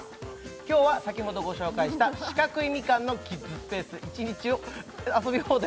今日は先ほどご紹介したしかくいみかんのキッズスペース１日遊び放題